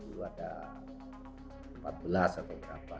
itu ada empat belas atau berapa